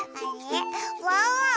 ワンワンは？